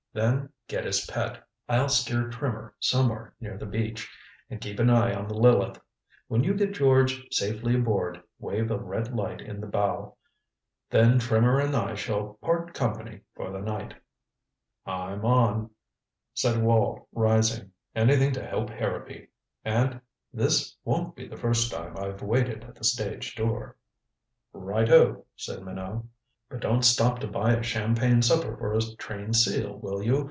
Then get his pet. I'll steer Trimmer somewhere near the beach, and keep an eye on the Lileth. When you get George safely aboard, wave a red light in the bow. Then Trimmer and I shall part company for the night." "I'm on," said Wall, rising. "Anything to help Harrowby. And this won't be the first time I've waited at the stage door." "Right o," said Minot. "But don't stop to buy a champagne supper for a trained seal, will you?